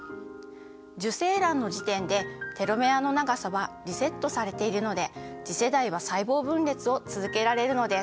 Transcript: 受精卵の時点でテロメアの長さはリセットされているので次世代は細胞分裂を続けられるのです。